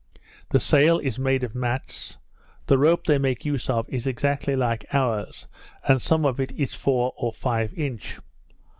The sail is made of mats; the rope they make use of is exactly like ours, and some of it is four or five inch.